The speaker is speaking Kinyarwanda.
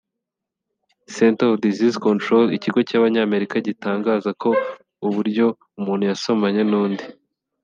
Center of Disease Control Ikigo cy’Abanyamerika gitangaza ko uburyo umuntu yasomanye n’undi